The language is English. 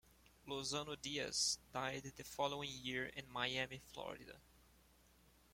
Lozano Diaz died the following year in Miami, Florida.